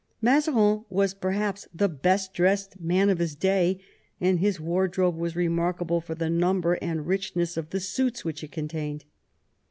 Mazarin was perhaps the best dressed man of his day, and his wardrobe was remarkable for the number and richness of the suits which it contained.